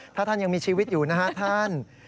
ถ้าท่านยังมีชีวิตอยู่นะฮะท่าน